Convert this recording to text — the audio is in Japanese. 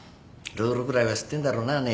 ルールぐらいは知ってんだろうな？